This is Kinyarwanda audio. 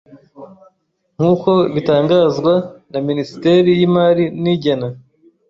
nk’uko bitangazwa na Minisiteri y’Imari n’Igena